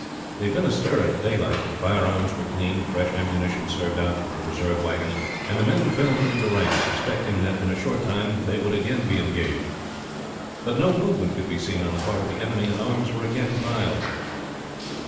They had been astir at daylight, firearms were cleaned, fresh ammunition served out from the reserve wagons, and the men fell into the ranks, expecting that in a short time they would again be engaged; but no movement could be seen on the part of the enemy, and arms were again piled.